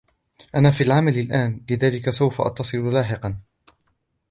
أنا في العمل الأن, لذلك سوف أتصل بكِ لاحقاً.